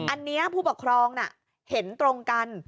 อันนี้ผู้ปกครองเห็นตรงกัน